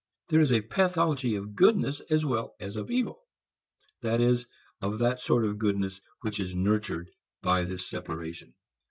There is a pathology of goodness as well as of evil; that is, of that sort of goodness which is nurtured by this separation.